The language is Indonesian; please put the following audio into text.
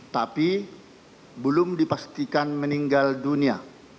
tapi belum dipastikan meninggal dunia